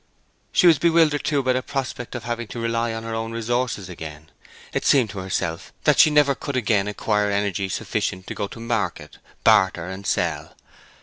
She was bewildered too by the prospect of having to rely on her own resources again: it seemed to herself that she never could again acquire energy sufficient to go to market, barter, and sell.